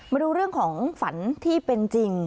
มาดูเรื่องของฝันที่เป็นจริง